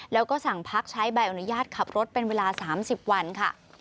แล้วก็สั่งพักใช้ใบอนุญาตขับรถเป็นเวลา๓๐วันค่ะ